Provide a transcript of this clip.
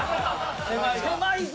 狭いぞ！